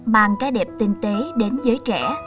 mang cái đẹp tinh tế đến giới trẻ